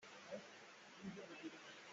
Hi facang tun hi na phur kho hnga maw?